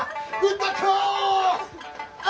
歌子！